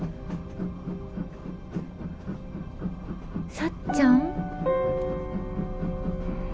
さっちゃん？